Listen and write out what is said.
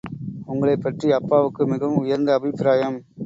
உங்களைப் பற்றி அப்பாவுக்கு மிகவும் உயர்ந்த அபிப்பிராயம்!...